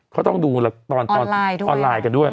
เขาต้องดูตอนออนไลน์กันด้วย